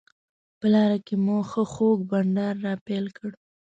په لاره کې مو ښه خوږ بانډار راپیل کړ.